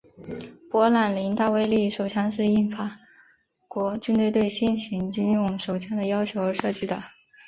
勃朗宁大威力手枪是应法国军队对新型军用手枪的要求而设计的。